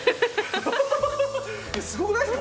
すごくないですか？